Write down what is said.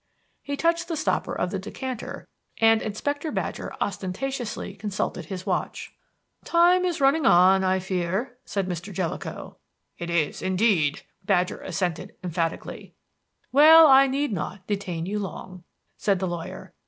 He touched the stopper of the decanter, and Inspector Badger ostentatiously consulted his watch. "Time is running on, I fear," said Mr. Jellicoe. "It is, indeed," Badger assented emphatically. "Well, I need not detain you long," said the lawyer.